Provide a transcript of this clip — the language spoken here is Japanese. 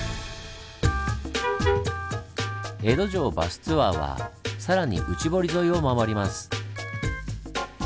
江戸城バスツアーは更に内堀沿いを回ります。